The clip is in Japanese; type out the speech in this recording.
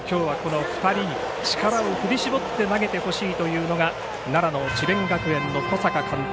力を振り絞って投げてほしいというのが奈良智弁学園の小坂監督。